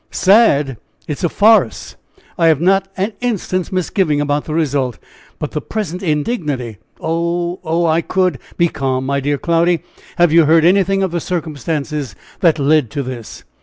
"Sad? It's a farce! I have not an instant's misgiving about the result; but the present indignity! Oh! oh! I could " "Be calm, my dear Cloudy. Have you heard anything of the circumstances that led to this?"